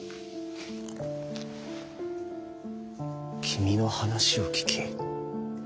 君の話を聞き。